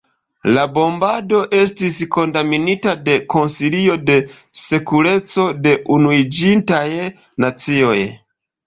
La bombado estis kondamnita de Konsilio de Sekureco de Unuiĝintaj Nacioj.